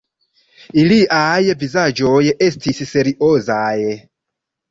Iliaj vizaĝoj estas seriozaj.